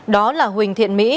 đó là huỳnh thiện mỹ